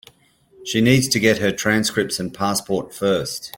She needs to get her transcripts and passport first.